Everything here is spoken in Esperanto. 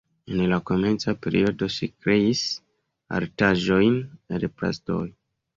En la komenca periodo ŝi kreis artaĵojn el plastoj.